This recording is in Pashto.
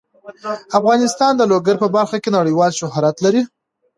افغانستان د لوگر په برخه کې نړیوال شهرت لري.